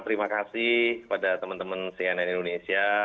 terima kasih kepada teman teman cnn indonesia